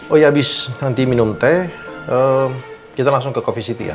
oh ya abis nanti minum teh kita langsung ke coffe city ya